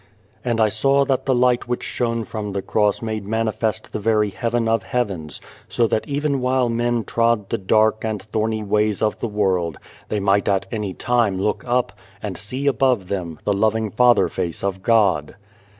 And I saw that the light which shone from the Cross made manifest the very heaven of heavens, so that even while men trod the dark and thorny ways of the world, they might at any time look up, and see above them the loving Father face of God.